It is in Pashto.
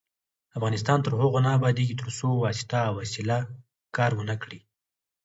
افغانستان تر هغو نه ابادیږي، ترڅو واسطه او وسیله کار ونه کړي.